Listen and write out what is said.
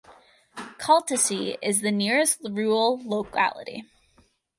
Kaltasy is the nearest rural locality.